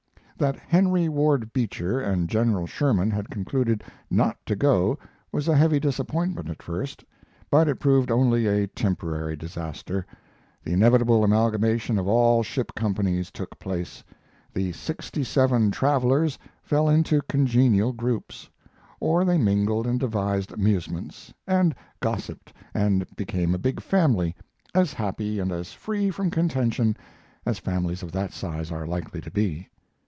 ] That Henry Ward Beecher and General Sherman had concluded not to go was a heavy disappointment at first; but it proved only a temporary disaster. The inevitable amalgamation of all ship companies took place. The sixty seven travelers fell into congenial groups, or they mingled and devised amusements, and gossiped and became a big family, as happy and as free from contention as families of that size are likely to be.